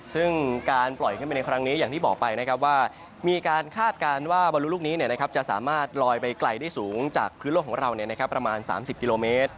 ซึ่งการปล่อยขึ้นไปในครั้งนี้อย่างที่บอกไปนะครับว่ามีการคาดการณ์ว่าบอลลูลูกนี้จะสามารถลอยไปไกลได้สูงจากพื้นโลกของเราประมาณ๓๐กิโลเมตร